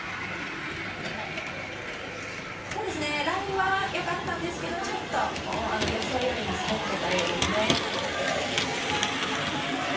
ラインはよかったんですがちょっと、予想よりも滑っていたようですね。